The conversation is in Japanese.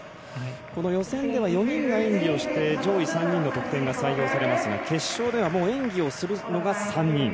この予選では４人が演技して上位３人の得点が採用されますが決勝では演技をするのが３人。